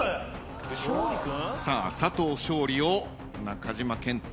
さあ佐藤勝利を中島健人